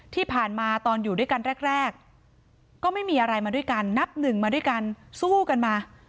ที่ผ่านมาตอนอยู่ด้วยกันแรกก็ไม่มีอะไรมาด้วยกันนับหนึ่งมาด้วยกันสู้กันมา